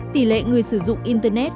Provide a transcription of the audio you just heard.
tỷ lệ người sử dụng internet